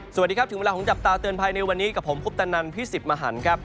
สวัสดีครับถึงเวลาของจับตาเตือนภัยในวันนี้กับผมคุปตนันพี่สิทธิ์มหันครับ